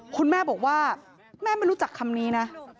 คุณแม่บอกว่าแม่ไม่รู้จักคำนี้นะ